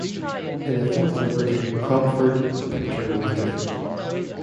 In a fourth liberty, Cromford, the picture was different.